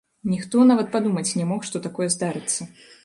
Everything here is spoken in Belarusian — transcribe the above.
Ніхто нават падумаць не мог, што такое здарыцца.